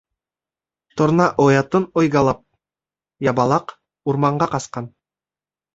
Торна оятын ояглап, ябалаҡ урманға ҡасҡан.